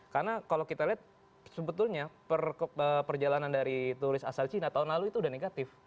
karena kalau kita lihat sebetulnya perjalanan dari turis asal china tahun lalu itu sudah negatif